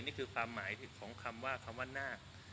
นี่คือความหมายของคำว่าคำว่านาค